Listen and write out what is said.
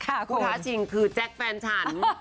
ท้าชิงคือแจ๊คแฟนฉัน